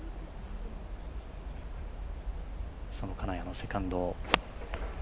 その金谷のセカンド。